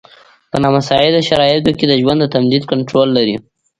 په نامساعدو شرایطو کې د ژوند د تمدید کنټرول لري.